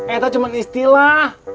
itu cuma istilah